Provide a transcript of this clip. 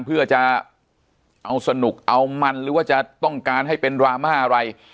เพื่อจะเอาสนุกเอามันหรือว่าจะต้องการให้เป็นดราม่าอะไร